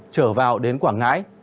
trở vào đến quảng ngãi